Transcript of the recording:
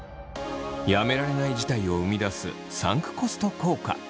やめられない事態を生み出すサンクコスト効果。